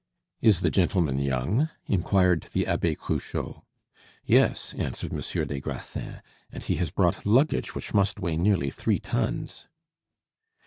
"Is the gentleman young?" inquired the Abbe Cruchot. "Yes," answered Monsieur des Grassins, "and he has brought luggage which must weigh nearly three tons."